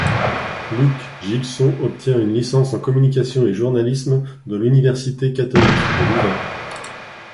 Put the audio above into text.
Luc Gilson obtient une licence en communication et journalisme de l'Université Catholique de Louvain.